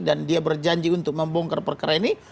dan dia berjanji untuk membongkar perkara ini